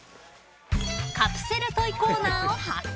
［カプセルトイコーナーを発見］